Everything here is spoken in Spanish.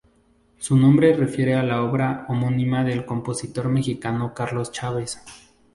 Su nombre refiere a la obra homónima del compositor mexicano Carlos Chávez.